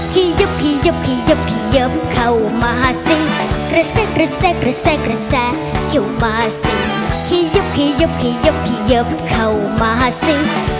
ขยบขยบเข้ามาสิตระแสกเข้ามาสิ